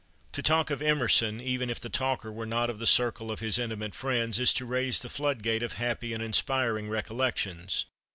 To talk of Emerson, even if the talker were not of the circle of his intimate friends, is to raise the flood gate of happy and inspiring recollections.